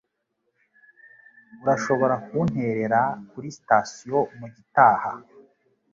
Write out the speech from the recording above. Urashobora kunterera kuri sitasiyo mugitaha?